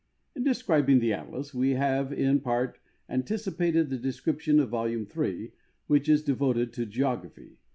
In describing the atlas, we have in part antici])ated the de scription of volume 3, which is devoted to geography.